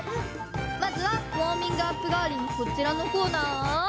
まずはウォーミングアップがわりにこちらのコーナーを。